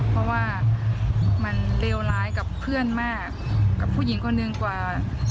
เพราะว่ามันเลวร้ายกับเพื่อนมากกับผู้หญิงคนหนึ่งกว่า